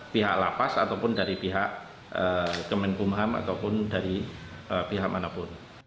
pihak lapas ataupun dari pihak kemenkumham ataupun dari pihak manapun